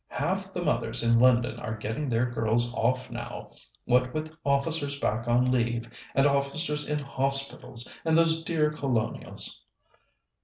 Half the mothers in London are getting their girls off now, what with officers back on leave and officers in hospitals, and those dear Colonials.